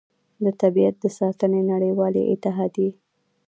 د طبیعت د ساتنې نړیوالې اتحادیې